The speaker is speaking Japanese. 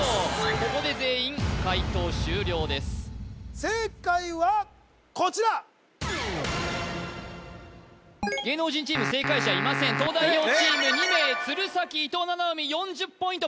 ここで全員解答終了です正解はこちら芸能人チーム正解者いません東大王チーム２名鶴崎伊藤七海４０ポイント